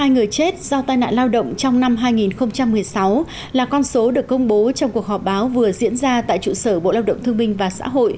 tám trăm sáu mươi hai người chết do tai nạn lao động trong năm hai nghìn một mươi sáu là con số được công bố trong cuộc họp báo vừa diễn ra tại chủ sở bộ lao động thương minh và xã hội